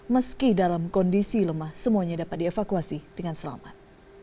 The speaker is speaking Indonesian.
meski dalam kondisi lemah semuanya dapat dievakuasi dengan selamat